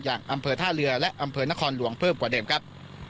อำเภอท่าเรือและอำเภอนครหลวงเพิ่มกว่าเดิมครับ